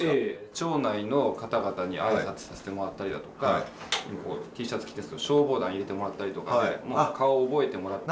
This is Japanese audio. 町内の方々に挨拶させてもらったりだとかＴシャツ着てるんですけど消防団入れてもらったりとか顔覚えてもらって。